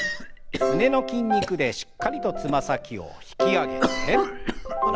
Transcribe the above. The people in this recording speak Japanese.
すねの筋肉でしっかりとつま先を引き上げて下ろして。